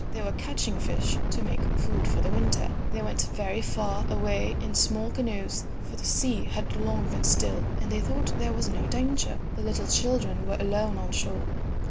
They were catching fish to make food for the winter. They went very far away in small canoes, for the sea had long been still and they thought there was no danger. The little children were alone on shore.